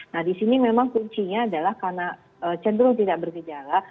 nah di sini memang kuncinya adalah karena cenderung tidak bergejala